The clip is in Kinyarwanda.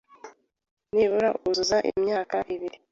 nibura akuzuza imyaka ibiri